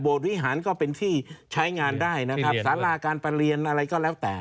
วิหารก็เป็นที่ใช้งานได้นะครับสาราการประเรียนอะไรก็แล้วแต่